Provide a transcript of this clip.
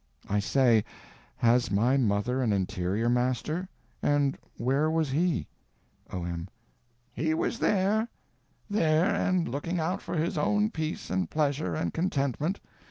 I say—has my mother an Interior Master?—and where was he? O.M. He was there. There, and looking out for his own peace and pleasure and contentment.